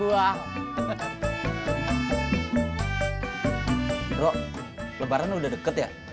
bro lebaran udah deket ya